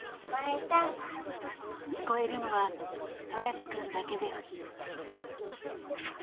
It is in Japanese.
聞こえるのは空知くんだけです。